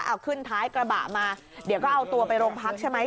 เอาขึ้นท้ายกระบะมาเดี๋ยวก็เอาตัวไปโรงพักใช่ไหม